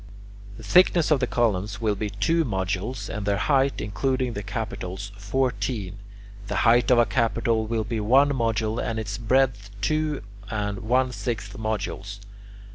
The thickness of the columns will be two modules, and their height, including the capitals, fourteen. The height of a capital will be one module, and its breadth two and one sixth modules.